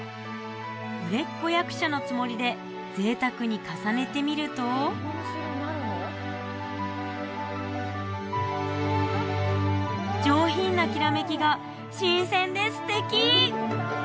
売れっ子役者のつもりで贅沢に重ねてみると上品なきらめきが新鮮で素敵！